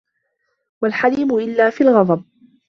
وَالْحَلِيمُ إلَّا فِي الْغَضَبِ